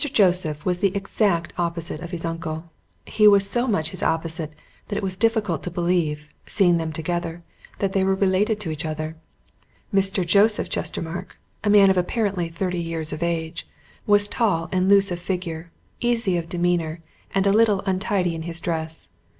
Joseph was the exact opposite of his uncle. He was so much his opposite that it was difficult to believe, seeing them together, that they were related to each other. Mr. Joseph Chestermarke, a man of apparently thirty years of age, was tall and loose of figure, easy of demeanour, and a little untidy in his dress.